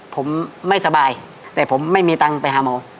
ผมไม่สบายแต่ผมไม่มีตังค์ไปหาหมอ